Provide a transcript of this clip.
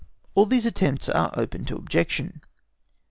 ALL THESE ATTEMPTS ARE OPEN TO OBJECTION.